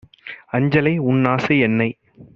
"அஞ்சலை, உன்ஆசை - என்னை